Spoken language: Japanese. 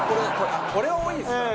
これは多いですね